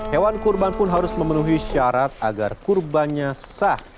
hewan kurban pun harus memenuhi syarat agar kurbannya sah